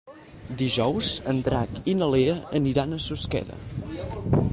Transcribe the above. Dijous en Drac i na Lea aniran a Susqueda.